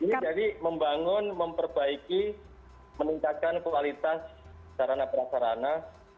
jadi membangun memperbaiki meningkatkan kualitas sarana perasarana